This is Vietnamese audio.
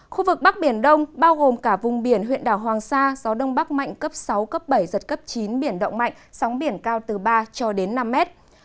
khu vực bắc biển đông bao gồm cả vùng biển huyện đảo hoàng sa gió đông bắc mạnh cấp sáu cấp bảy giật cấp chín biển động mạnh sóng biển cao từ ba cho đến năm mét